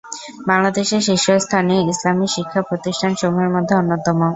বাংলাদেশের শীর্ষস্থানীয় ইসলামী শিক্ষা-প্রতিষ্ঠানসমূহের মধ্যে অন্যতম।